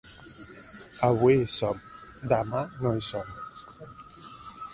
Avui hi som, demà no hi som.